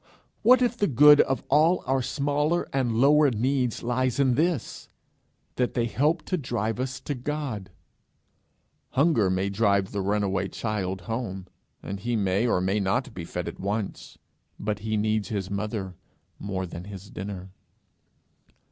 What if the good of all our smaller and lower needs lies in this, that they help to drive us to God? Hunger may drive the runaway child home, and he may or may not be fed at once, but he needs his mother more than his dinner.